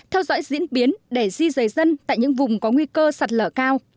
theo dõi diễn biến để di rời dân tại những vùng có nguy cơ sạt lở cao